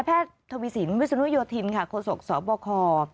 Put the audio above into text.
แพทย์ทวิสินวิสุนุยธินค่ะโฆษกสบค